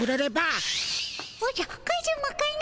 おじゃカズマかの？